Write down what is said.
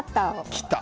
きた！